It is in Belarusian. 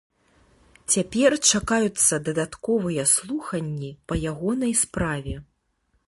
Цяпер чакаюцца дадатковыя слуханні па ягонай справе.